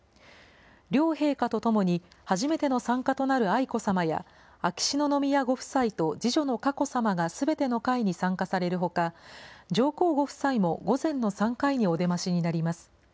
両陛下とともに、初めての参加となる愛子さまや、秋篠宮ご夫妻と次女の佳子さまがすべての回に参加されるほか、上皇ご夫妻も午前の３回にお出ましになります。